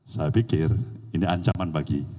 saya pikir ini ancaman bagi